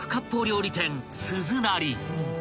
料理店「鈴なり」］